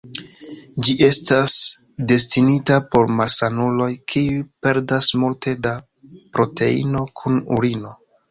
Ĝi estas destinita por malsanuloj kiuj perdas multe da proteino kun urino.